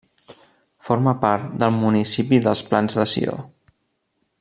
Forma part del municipi dels Plans de Sió.